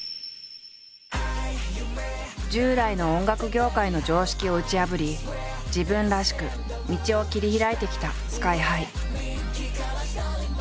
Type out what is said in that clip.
従来の音楽業界の常識を打ち破り自分らしく道を切り開いてきたＳＫＹ−ＨＩ。